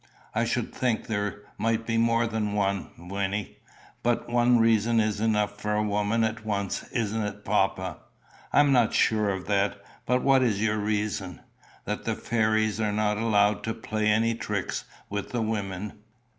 "I should think there might be more than one, Wynnie." "But one reason is enough for a woman at once; isn't it, papa?" "I'm not sure of that. But what is your reason?" "That the fairies are not allowed to play any tricks with the women.